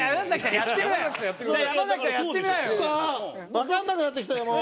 わからなくなってきたよもう！